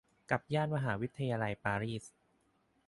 กับย่านมหาวิทยาลัยปารีส